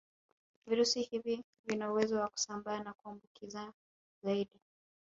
Virusi hivi vina uwezo wa kusambaa na kuambukiza zaidi